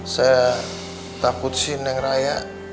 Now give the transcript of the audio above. saya takut sih neng raya